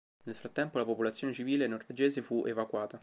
Nel frattempo la popolazione civile norvegese fu evacuata.